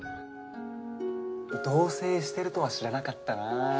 同棲してるとは知らなかったな。